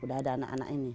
udah ada anak anak ini